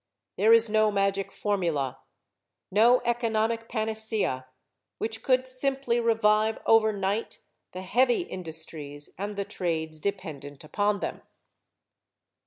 There is no magic formula, no economic panacea, which could simply revive over night the heavy industries and the trades dependent upon them.